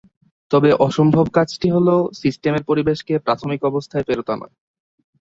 তবে, অসম্ভব কাজটি হল সিস্টেমের পরিবেশকে প্রাথমিক অবস্থায় ফেরত আনা।